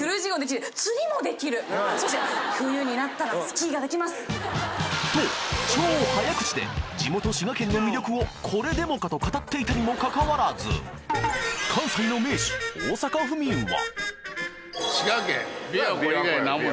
そして。と超早口で地元滋賀県の魅力をこれでもかと語っていたにもかかわらず関西の盟主大阪府民は？